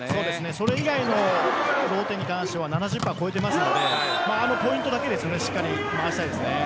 それ以外のローテに関しては７０％超えているのであのポイントだけしっかり回したいですよね。